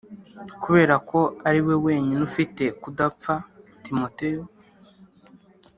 kubera ko ari we wenyine ufite kudapfa Timoteyo